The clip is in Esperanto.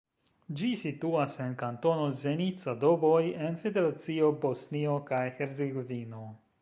Ĝi situas en Kantono Zenica-Doboj en Federacio Bosnio kaj Hercegovino.